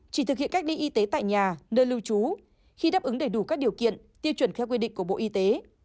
chỉ thực hiện cách ly y tế tại nhà nơi lưu trú khi đáp ứng đầy đủ các điều kiện tiêu chuẩn theo quy định của bộ y tế